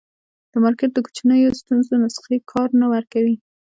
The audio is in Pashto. د مارکېټ د کوچنیو ستونزو نسخې کار نه ورکوي.